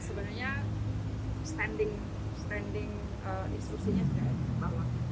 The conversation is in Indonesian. sebenarnya standing instruksinya sudah ada